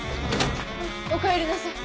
おかえりなさい。